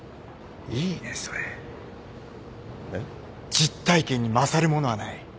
実体験に勝るものはない。